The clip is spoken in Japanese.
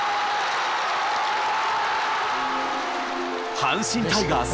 阪神タイガース